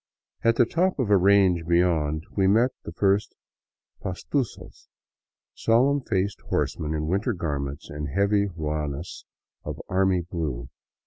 At the top of a range beyond we met the first pastusos, solemn faced horsemen in winter garments and heavy ruanas of army blue.